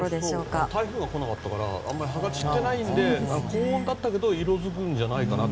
今年は台風が来なかったから葉が散っていなくて高温だったけど色づくんじゃないかと。